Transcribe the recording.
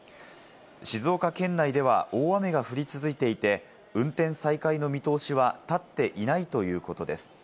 静岡県内では大雨が降り続いていて、運転再開の見通しは立っていないということです。